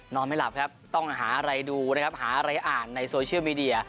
ไม่หลับครับต้องหาอะไรดูนะครับหาอะไรอ่านในโซเชียลมีเดีย